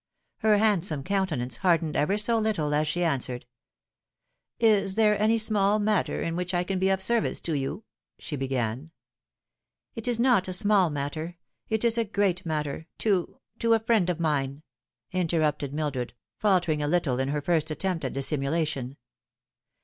Her handsome countenance hardened ever so little as she answered, "If there is any small matter in which I can be of service to you " she began. " It is not a small matter ; it is a great matter to to a friend of mine," interrupted Mildred, faltering a little in her first attempt at dissimulation.